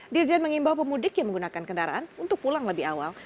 dirjen mengimbau pemudik yang menggunakan kendaraan untuk pulang lebih awal